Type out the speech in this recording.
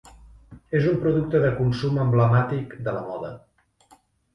És un producte de consum emblemàtic de la moda.